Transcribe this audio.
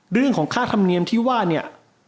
เรื่องของค่าธรรมเนียมที่ว่าเนี่ย